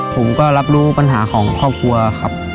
ผมก็รับรู้ปัญหาของครอบครัวครับ